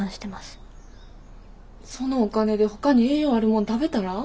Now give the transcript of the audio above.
そのお金でほかに栄養あるもん食べたら？